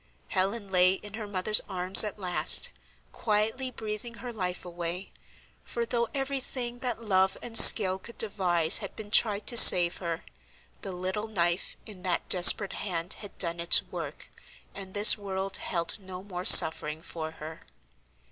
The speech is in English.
Helen lay in her mother's arms at last, quietly breathing her life away, for though every thing that love and skill could devise had been tried to save her, the little knife in that desperate hand had done its work, and this world held no more suffering for her.